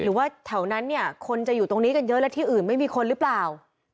หรือว่าแถวนั้นเนี่ยคนจะอยู่ตรงนี้กันเยอะและที่อื่นไม่มีคนหรือเปล่า